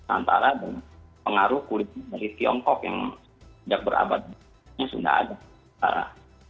antara pengaruh kudinya dari tiongkok yang tidak berabad ini sudah ada